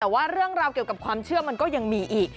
แต่ว่าเรื่องราวเกี่ยวกับความเชื่อมันก็ยังมีอีก